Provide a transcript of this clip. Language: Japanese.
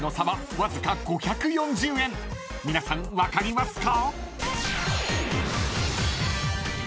［皆さん分かりますか？］